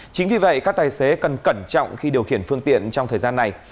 chính vì vậy các tài xế cần cẩn trọng khi điều khiển phương tiện trong thời gian này